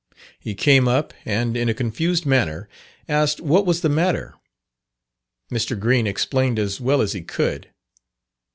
He came up, and in a confused manner, asked what was the matter. Mr. Green explained as well as he could.